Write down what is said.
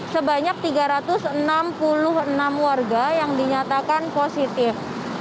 sebanyak tiga ratus enam puluh enam warga yang dinyatakan positif